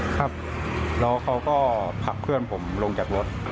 ครับแล้วเขาก็ผลักเพื่อนผมลงจากรถ